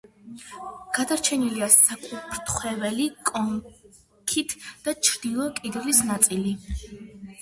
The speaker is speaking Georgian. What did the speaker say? გადარჩენილია საკურთხეველი კონქით და ჩრდილო კედლის ნაწილი.